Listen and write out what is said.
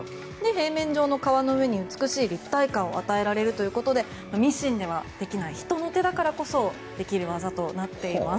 平面上の革の上に立体感を与えられるということでミシンではできない人の手だからこそできる技となっています。